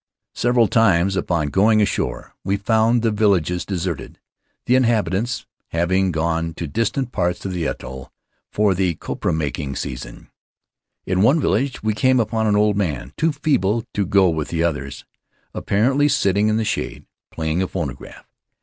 Several times upon going ashore we found the villages deserted, the inhabitants having Faery Lands of the South Seas gone to distant parts of the atoll for the copra making season. In one village we came upon an old man too feeble to go with the others, apparently, sitting in the shade playing a phonograph.